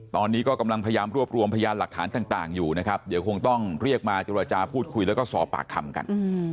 ตอนนี้ก็กำลังพยายามรวบรวมพยานหลักฐานต่างอยู่นะครับเดี๋ยวคงต้องเรียกมาเจรจาพูดคุยแล้วก็สอบปากคำกัน